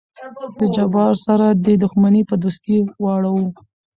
د جبار سره دې دښمني په دوستي واړو.